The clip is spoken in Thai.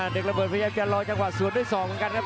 ระเบิดพยายามจะรอจังหวะสวนด้วยศอกเหมือนกันครับ